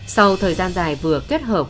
sau thời gian dài vừa kết hợp